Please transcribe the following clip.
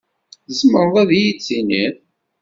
Tzemreḍ ad iyi-d-tiniḍ?